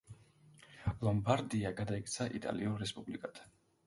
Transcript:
ლომბარდია გადაიქცა იტალიურ რესპუბლიკად.